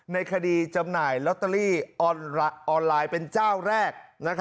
ในคดีจำหน่ายลอตเตอรี่ออนไลน์เป็นเจ้าแรก